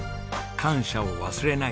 感謝を忘れない